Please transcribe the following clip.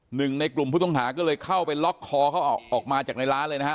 หนึ่งในกลุ่มผู้ต้องหาก็เลยเข้าไปล็อกคอเขาออกมาจากในร้านเลยนะฮะ